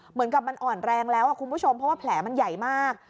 เหมือนกับมันอ่อนแรงแล้วคุณผู้ชมเพราะว่าแผลมันใหญ่มาก